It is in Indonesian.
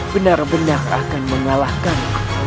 benar benar akan mengalahkan